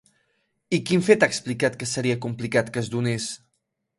I quin fet ha explicat que seria complicat que es donés?